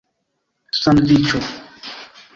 sandviĉo